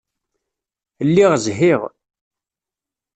Lliɣ zhiɣ.